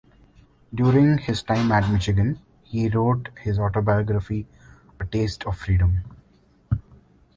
During his time at Michigan, he wrote his autobiography "A Taste of Freedom".